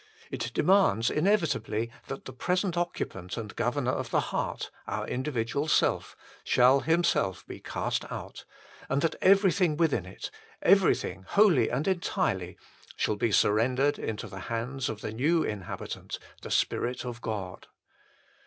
It demands inevitably that the present occupant and governor of the heart, our individual self, shall himself be cast out, and that everything within it, everything wholly and entirely, shall be surrendered into the hands of the new Inhabitant, the Spirit of God.